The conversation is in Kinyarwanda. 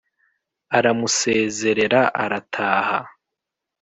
aramusezerera arataha.